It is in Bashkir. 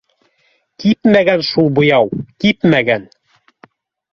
— Кипмәгән шул буяуы, кипмәгән